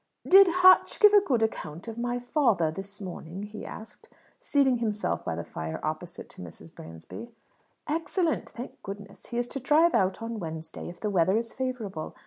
"Did Hatch give a good account of my father this morning?" he asked, seating himself by the fire opposite to Mrs. Bransby. "Excellent, thank goodness! He is to drive out on Wednesday, if the weather is favourable.